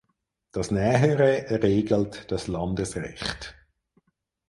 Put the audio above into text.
Das Nähere regelt das Landesrecht.